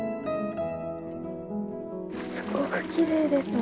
すごくきれいですね。